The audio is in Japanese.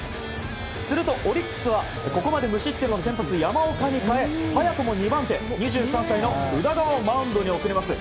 するとオリックスはここまで無失点の先発山岡に代え早くも２番手、２３歳の宇田川をマウンドに送ります。